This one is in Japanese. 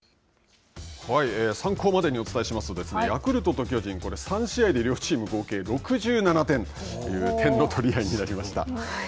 参考までにお伝えしますとヤクルトと巨人３試合で両チーム合計６７点という点の取り合いになりました。